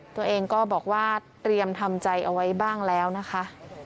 ตัวเองก็บอกว่าเตรียมทำใจเอาไว้บ้างแล้วนะคะ